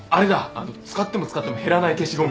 あの使っても使っても減らない消しゴム。